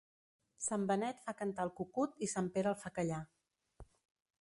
Sant Benet fa cantar el cucut i Sant Pere el fa callar.